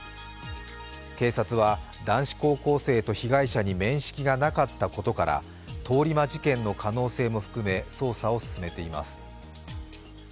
警察は男子高校生と被害者に面識がなかったことから通り魔事件の可能性も含め捜査を進めています